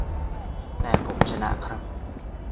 แต่ผมชนะครับ